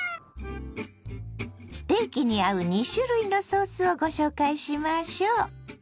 ステーキに合う２種類のソースをご紹介しましょう。